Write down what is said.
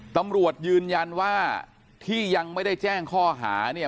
ตำรวจยืนยันว่าที่ยังไม่ได้แจ้งข้อหาเนี่ย